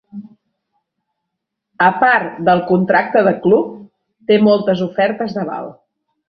A part del contracte de club, té moltes ofertes d'aval.